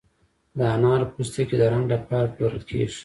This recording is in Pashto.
د انارو پوستکي د رنګ لپاره پلورل کیږي؟